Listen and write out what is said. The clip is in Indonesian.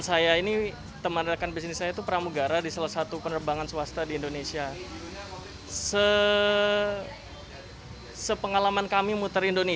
jadi tercetuslah disitu ide